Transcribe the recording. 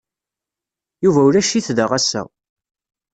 Yuba ulac-it da ass-a.